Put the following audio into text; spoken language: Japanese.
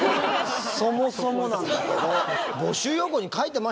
そもそもなんだけど。